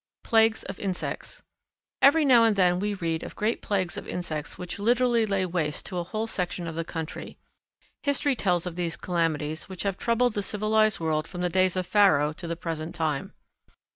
Plagues of Insects. Every now and then we read of great plagues of insects which literally lay waste a whole section of country. History tells of these calamities which have troubled the civilized world from the days of Pharaoh to the present time.